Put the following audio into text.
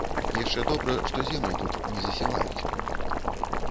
Яшчэ добра, што землі тут не засяваюць.